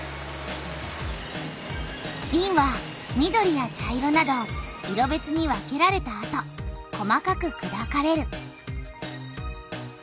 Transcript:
びんは緑や茶色など色べつに分けられたあと細かくくだかれる。